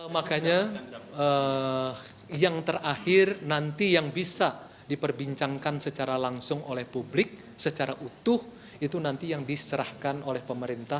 makanya yang terakhir nanti yang bisa diperbincangkan secara langsung oleh publik secara utuh itu nanti yang diserahkan oleh pemerintah